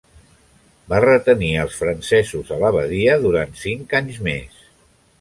Va retenir als francesos a la badia durant cinc anys més.